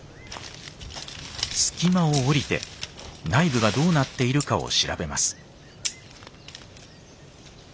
隙間を降りて内部がどうなっているかを調べます。